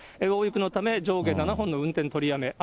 大雪のため、上下７本の運転取りやめ。